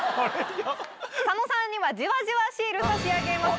佐野さんにはじわじわシール差し上げます。